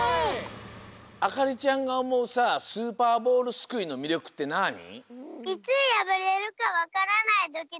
あかりちゃんがおもうさスーパーボールすくいのみりょくってなに？